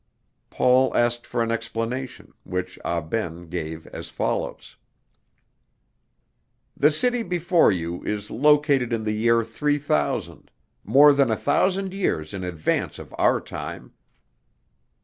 Paul asked for an explanation, which Ah Ben gave as follows: "The city before you is located in the year 3,000, more than a thousand years in advance of our time.